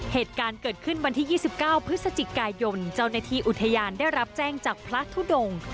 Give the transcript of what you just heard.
เหตุการณ์เกิดขึ้นวันที่๒๙พฤศจิกายนเจ้าหน้าที่อุทยานได้รับแจ้งจากพระทุดง